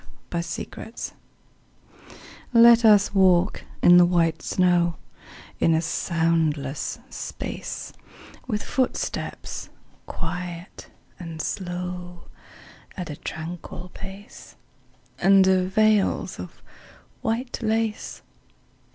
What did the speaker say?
VELVET SHOES Let us walk in the white snow In a soundless space; With footsteps quiet and slow, At a tranquil pace, Under veils of white lace.